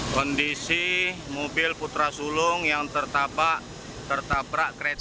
kondisi mobil putra sulung yang tertabrak kereta